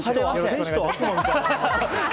天使と悪魔みたいだな。